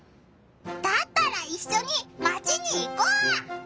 だったらいっしょにマチに行こう！